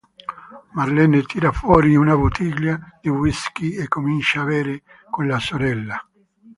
Marlene tira fuori una bottiglia di whiskey e comincia a bere con la sorella.